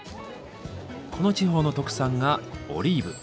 この地方の特産がオリーブ。